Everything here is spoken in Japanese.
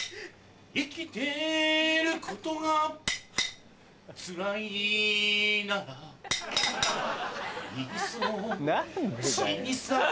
生きてることが辛いなら